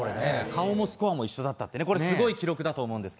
顔もスコアも一緒だったってすごい記録だと思います。